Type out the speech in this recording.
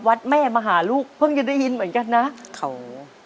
วัดแม่มาหาลูกเพิ่งจะได้ยินเหมือนกันนะเขา